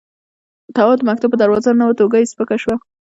تواب د مکتب په دروازه ننوت، اوږه يې سپکه شوه.